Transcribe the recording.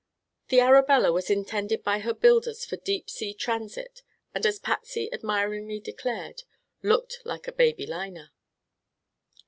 The Arabella was intended by her builders for deep sea transit and as Patsy admiringly declared, "looked like a baby liner."